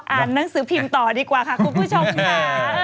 อ่านหนังสือพิมพ์ต่อดีกว่าค่ะคุณผู้ชมค่ะ